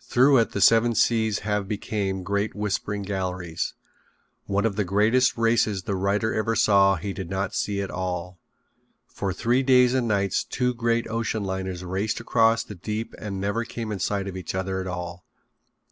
Through it the seven seas have became great whispering galleries. One of the greatest races the writer ever saw he did not see at all. For three days and nights two great ocean liners raced across the deep and never came in sight of each other at all.